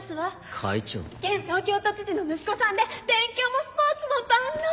現東京都知事の息子さんで勉強もスポーツも万能！